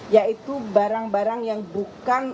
yaitu barang barang yang bukan